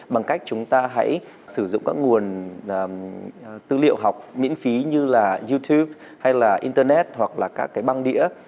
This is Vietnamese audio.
bằng cách chúng ta hãy sử dụng các nguồn tư liệu học miễn phí như là youtube hay là internet hoặc là các cái băng đĩa